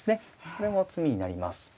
これも詰みになります。